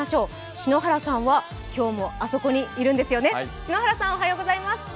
篠原さんは今日もあそこにいるんですよね。